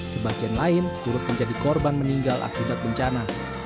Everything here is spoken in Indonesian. sebagian lain turut menjadi korban meninggal akibat bencana